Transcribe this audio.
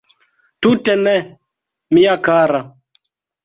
Tute ne, mia kara.